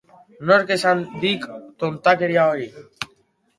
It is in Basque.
Nork esan dik tontakeria hori?